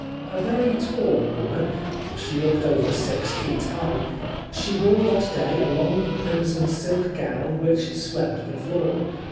A very tall woman — she looked over six feet high — she wore that day a long crimson silk gown which swept the floor.